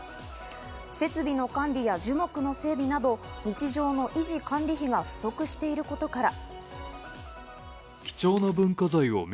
設備の管理や樹木の整備など、日常の維持管理費が不足していることから。